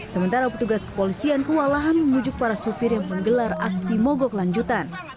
sementara petugas kepolisian kewalahan memujuk para supir yang menggelar aksi mogok lanjutan